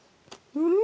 うん！